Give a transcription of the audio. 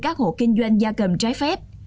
các hộ kinh doanh gia cầm trái phép